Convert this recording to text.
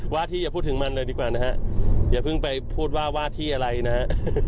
ว่าที่อย่าพูดถึงมันเลยดีกว่านะฮะอย่าเพิ่งไปพูดว่าว่าที่อะไรนะฮะ